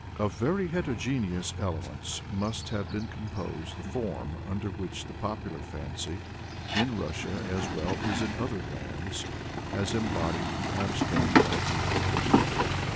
Of very heterogeneous elements must have been composed the form under which the popular fancy, in Russia as well as in other lands, has embodied the abstract idea of evil.